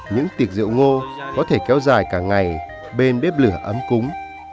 những tiệc rượu ngô có thể kéo dài cả ngày bên bếp lửa ấm cúng